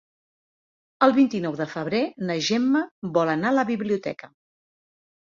El vint-i-nou de febrer na Gemma vol anar a la biblioteca.